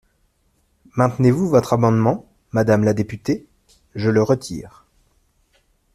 Maintenez-vous votre amendement, madame la députée ? Je le retire.